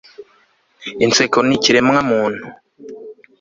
inseko ni ikiremwamuntu